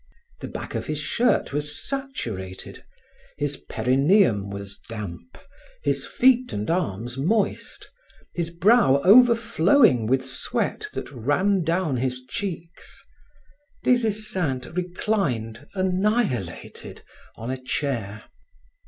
The back of his shirt was saturated, his perinaeum was damp, his feet and arms moist, his brow overflowing with sweat that ran down his cheeks. Des Esseintes reclined, annihilated, on a chair.